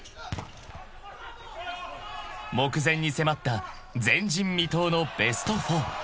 ［目前に迫った前人未到のベスト４］